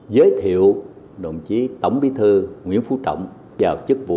giới thiệu đồng chí tổng bí thư nguyễn phú trọng vào chức vụ